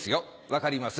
分かります？